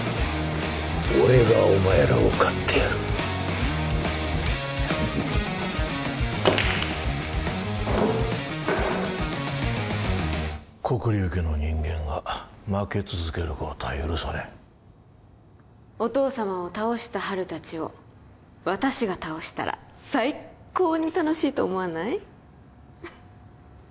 俺がお前らを買ってやる黒龍家の人間が負け続けることは許されんお父様を倒したハル達を私が倒したら最っ高に楽しいと思わない？